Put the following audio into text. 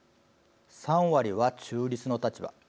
３割は中立の立場。